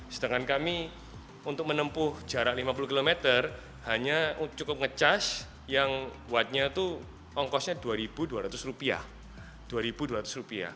sedangkan kami untuk menempuh jarak lima puluh km hanya cukup nge charge yang kuatnya itu ongkosnya rp dua dua ratus